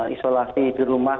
isolasi di rumah